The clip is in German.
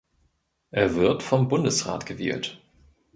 Er wird vom Bundesrat gewählt.